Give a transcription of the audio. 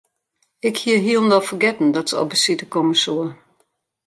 Ik hie hielendal fergetten dat se op besite komme soe.